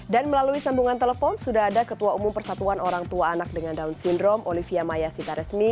dan melalui sambungan telepon sudah ada ketua umum persatuan orang tua anak dengan down syndrome olivia maya sitaresmi